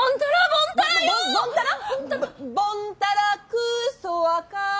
ボンタラクーソワカー。